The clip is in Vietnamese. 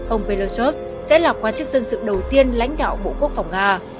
ông veloschot sẽ là quan chức dân sự đầu tiên lãnh đạo bộ quốc phòng nga